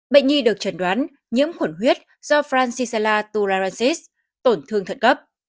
bệnh nhi được trần đoán nhiễm khuẩn huyết do francisella tularensis tổn thương thận cấp